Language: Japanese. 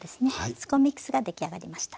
スコーンミックスが出来上がりました。